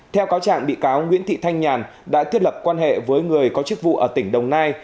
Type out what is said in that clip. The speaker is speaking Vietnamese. theo cáo trạng bị cáo nguyễn thị thanh nhàn đã thiết lập quan hệ với người có chức vụ ở tỉnh đồng nai